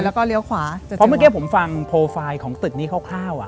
เพราะเมื่อกี้ผมฟังโปรไฟล์ของตึกนี้คร่าวอะ